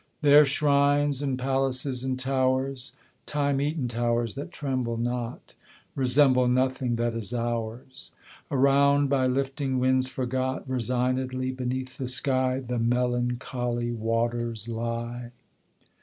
There shrines and palaces and towers (Time eaten towers that tremble not!) Resemble nothing that is ours. Around, by lifting winds forgot, Resignedly beneath the sky The melancholy waters lie.